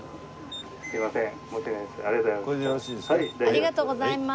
ありがとうございます。